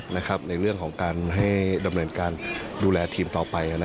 ในเรื่องของการให้ดำเนินการดูแลทีมต่อไป